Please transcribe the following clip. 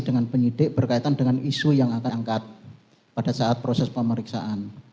dengan penyidik berkaitan dengan isu yang akan angkat pada saat proses pemeriksaan